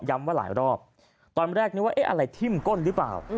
ว่าหลายรอบตอนแรกนึกว่าเอ๊ะอะไรทิ้มก้นหรือเปล่า